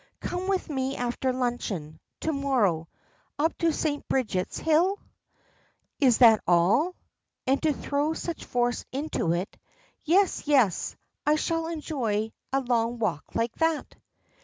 "Come with me after luncheon, to morrow, up to St. Bridget's Hill?" "Is that all? And to throw such force into it. Yes, yes; I shall enjoy a long walk like that."